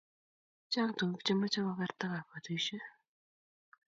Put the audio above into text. Chang tukuk che moch kokerta kobotishe.